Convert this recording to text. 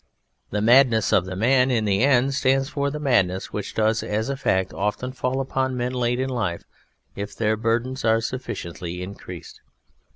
_ The MADNESS of the Man at the end, stands for the MADNESS _which does as a fact often fall upon Men late in life if their Burdens are sufficiently increased.